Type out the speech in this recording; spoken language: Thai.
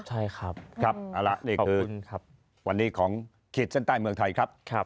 ใช่ครับนี่คือวันนี้ของคลิปชั้นใต้เมืองไทยครับ